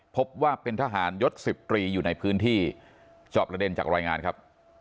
พบว่าเป็นทหารยศ๑๐ตรีอยู่ในพื้นที่จอบระเด็นจากรายงานครับ